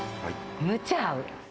むちゃ、合う！